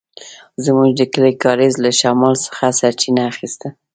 زموږ د کلي کاریز له شمال څخه سرچينه اخيسته.